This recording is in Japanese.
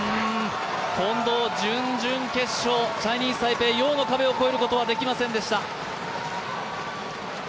近藤準々決勝、チャイニーズ・タイペイ、楊の壁を越えることはできませんでした。